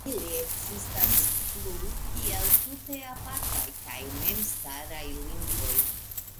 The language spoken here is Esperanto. Ili ekzistas plu kiel tute apartaj kaj memstaraj lingvoj.